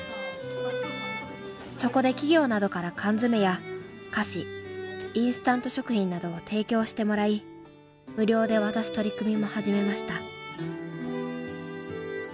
そこで企業などから缶詰や菓子インスタント食品などを提供してもらい無料で渡す取り組みも始めました。